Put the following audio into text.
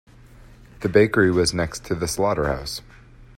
The bakery was next to the slaughterhouse.